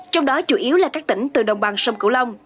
trong đó chủ yếu là các tỉnh từ đồng bằng sông cửu long